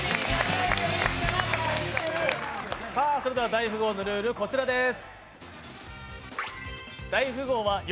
「大富豪」のルール、こちらです。